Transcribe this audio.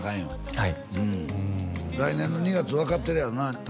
はい来年の２月分かってるやろな？